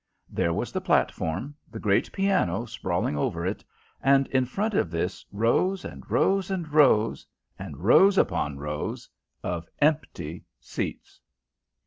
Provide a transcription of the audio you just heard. There was the platform, the great piano sprawling over it; and in front of this, rows and rows and rows and rows upon rows of empty seats.